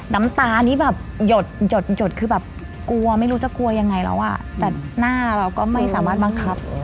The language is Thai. น้ำตานี่แบบหยดหยดหดคือแบบกลัวไม่รู้จะกลัวยังไงแล้วอ่ะแต่หน้าเราก็ไม่สามารถบังคับ